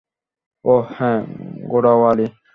ওহ, হ্যাঁ, ঘোড়াওয়ালী।